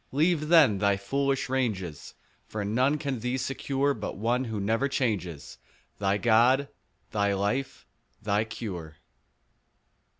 Leave then thy foolish ranges; For none can thee secure But One who never changes— Thy God, thy life, thy cure.